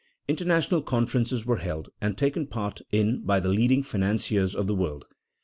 International conferences were held, and taken part in by the leading financiers of the world.